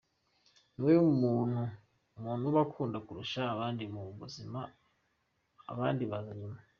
Ni we muntu umuntu aba akunda kurusha abandi mu buzima, abandi baza nyuma.